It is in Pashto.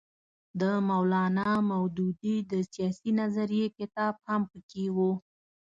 د مولانا مودودي د سیاسي نظریې کتاب هم پکې وو.